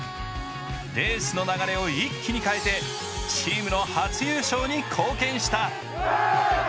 レースの流れを一気に変えてチームの初優勝に貢献した。